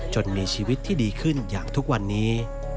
จนมีชีวิตที่ดีขึ้นอย่างทุกวันนี้